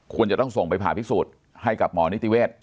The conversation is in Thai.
ควรจะต้องส่งไปผ่าพิสูจน์ให้กับหมอนิติเวศ